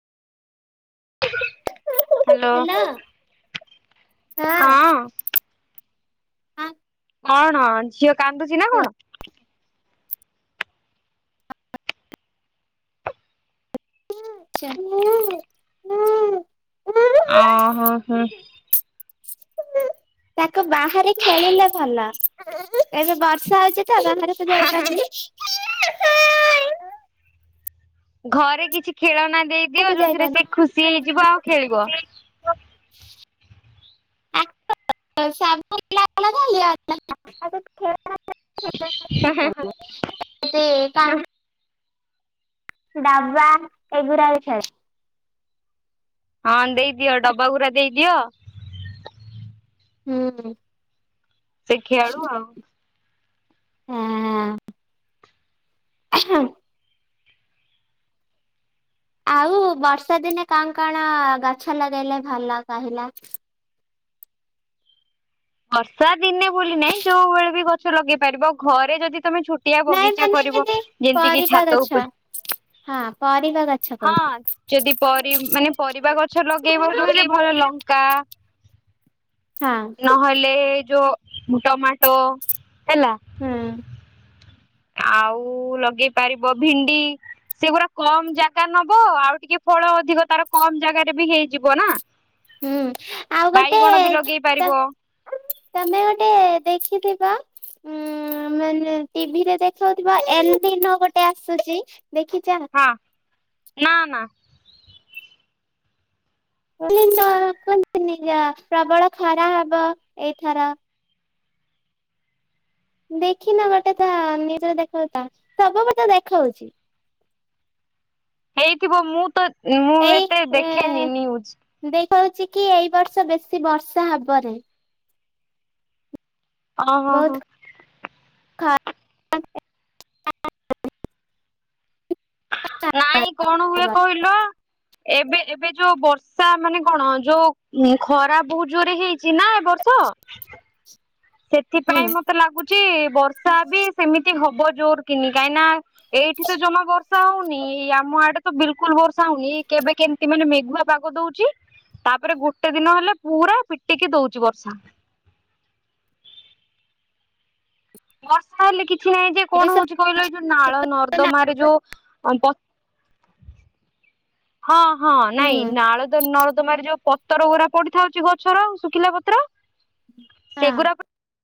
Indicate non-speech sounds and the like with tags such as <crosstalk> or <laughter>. Hello. Hello ହଁ। ହଁ। କଣ ଝିଅ କାନ୍ଦୁଛି ନା କଣ? ଛ ଓ ହୋ ହୋ। ତାକୁ ବାହି ଖେଳିଲେ ଭଲ ଏବେ ବର୍ଷା ହଉଛି ତ। ତ ଯ ଆଇପାରି ଘରେ କିଛି ଖେଳ ନାହାନ୍ତି। ଦେଇଦିଅ ବାହାରକୁ ଯୋଉଥିରେ ସେ ଯାଇପାରୁନି। ଖୁସି ହେଇଯିବ ଆଉ ଖେଳିବ <inaudible> ହଁ ହ ହ। ତା ଡବାା ଏଗୁରାଇ ସ ହଁ ଦେଇଦିଅ ଡବା ଗୁରା ଦେଇଦିଅ ହୁଁ। ସେ ଖେଳୁ ଆଉ। ହଁ। ଆଉ ବର୍ଷା ଦିନେ କଣ କଣ ଗଛ ଲଗେଇଲେ ଭଲ କହିଲା। ବର୍ଷା ଦିନେ ବୋଲିୁ ନହିଁ ଯୋଉ ବଳେ ବି ଗଛ ଲଗେଇ ପାରିବ ଘରେ ଯଦି ତମେ ଛୋଟିଆ ନାଇଁ ବଗିଚା ମାନେ କରିବ ଏମିତି ଯେମିତି କିି ପରିବା ଛାତ ଗଛ ଉପରେ ହଁ ପରିବା ଗଛ କହୁଛି। ହଁ ଯଦି ପର ମାନେ ପରିବା ଗଛ ଲଗେଇବ କହିଲେ ଭଲ। ଶ୍ରୀଲଙ୍କା। ହଁ। ନହେଲେ ଯୋଉ ଟମାଟୋ ହେଲା। ହୁଁ ଆଉ ଲଗେଇ ପାରିବ ଭିଣ୍ଡି ସେଗୁଡା କମ ଜାଗା ନବ ଆଉ ଟିକେ ଫଳ ଅଧିକ ତାର କମ ଜାଗାରେ ବି ହେଇଯିବ ନା। ହୁଁ ଆଉ ଗୋଟେ ବାଇଗଣ ବି ଲଗେଇ ପାରିବ ତମେ ଗୋଟେ ଦେଖିଥିବ। ଉଁ ମାନେ ଟିଭିରେ ଦେଖାଉଥିବା ଏ ଦିନ ଗୋଟେ ଆସୁଛି। ଦେଖିଛ। ହଁ ନା ନା କ ନିଜ ପ୍ରବଳ ଖରା ହବ ଏଇଥର ଦେଖିନ ଗୋଟେ ତା ନିଜରେ ଦେଖାଉ ସବୁବେ ତେ ଦେଖାଉଛି। ହେଇଥିବ ମୁଁ ତ ମୁଁ ଏତେ ଦେଖେନି ନିୟୁଜ ହଉଛି କି ଏଇ ବର୍ଷ ବେଶୀ ବର୍ଷା ହେବରେ ଓ ହୋ ହୋ ବହୁତ <inaudible> ନାଇଁ କଣ ହୁଏ କହିଲ ଏବେ ଏବେ ଯୋଉ ବର୍ଷା ମାନେ କଣ ଯୋଉ ଖରା ବୋହୁତ ଜୋରେ ହେଇଛି ନା ଏ ବର୍ଷ ସେଥିପାଇଁ ମତେ ଲାଗୁଛି ବର୍ଷା ବି ସେମିତି ହବ ଜୋର କିିନି କାହିଁକି ନା ଏଇଠି ତ ଜମା ବର୍ଷ ବର୍ଷା ହଉନି ଆମ ଆଡେ ତ ବିଲକୁଲ ବର୍ଷା ହଉନି କେବେ କେମିତି ମାନେ ମେଘୁଆ ପାଗ ଦଉଛି ତାପରେ ଗୋଟେ ଦିନ ହେଲେ ପୁରା ପିଟିକି ଦଉଛି ବର୍ଷା ବର୍ଷା ହେଲେ କିଛି କିଛି ନାହିଁ ଯେ କଣ ହଉଛି ହୁଁ କହିଲ ଏଇ ଯୋଉ ନାଳ ନର୍ଦ୍ଦମାରେ ଯୋଉ ହଁ ହଁ ନାଇଁ ନାଳ ନର୍ଦମା ଯୋଉ ତର ଗଡା ପଡିଥାଉଛି ଗଛର ଶୁଖିଲା ପତ୍ର ସେଗୁଡ଼ା